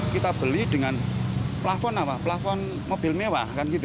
kita beli dengan plafon mobil mewah